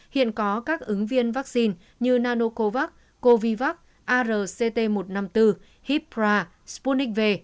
hiện có các ứng viên vaccine như nanocovax covivax arct một trăm năm mươi bốn hipra sputnik v